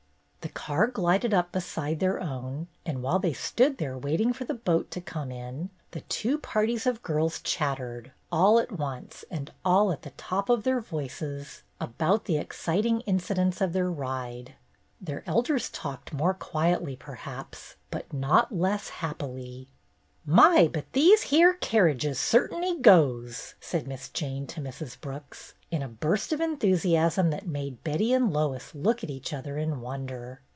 The car glided up beside their own, and while they stood there waiting for the boat to come in, the two parties of girls chattered, all at once and all at the top of their voices, about the exciting incidents of their ride. Their elders talked more quietly, perhaps, but not less happily. "My, but these here kerriges cert'n'y goes !" said Miss Jane to Mrs. Brooks, in a burst of enthusiasm that made Betty and Lois look at each other in wonder.